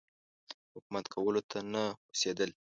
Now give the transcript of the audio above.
حکومت کولو ته نه هوسېدل.